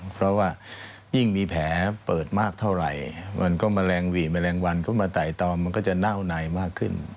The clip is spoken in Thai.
เพราะว่ายิ่งมีแผลเปิดมากเท่าไหร่มันก็แมลงหวี่แมลงวันก็มาไต่ตองมันก็จะเน่าในมากขึ้น